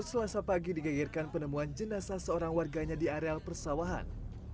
selasa pagi digairkan penemuan jenazah seorang warganya di areal persawahan